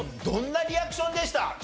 どんなリアクションでした？